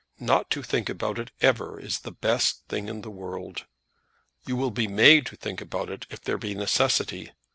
"Not to think about it ever is the best thing in the world. You will be made to think about it if there be necessity.